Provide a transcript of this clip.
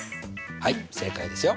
はい正解ですよ。